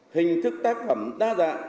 hình thức tác phẩm đa dạng